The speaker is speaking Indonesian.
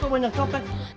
kok banyak copet